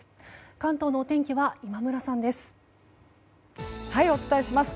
関東のお天気は今村さんです。